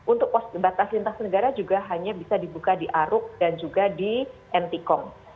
untuk pos batas lintas negara juga hanya bisa dibuka di aruk dan juga di ntkong